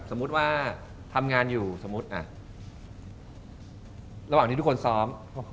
สมมุติว่าทำงานอยู่สมมุติระหว่างที่ทุกคนซ้อม